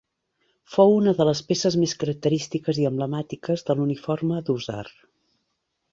Fou una de les peces més característiques i emblemàtiques de l'uniforme d'hússar.